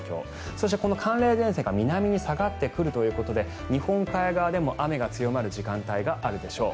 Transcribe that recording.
そして、寒冷前線が南に下がってくるということで日本海側でも雨が強まる時間帯があるでしょう。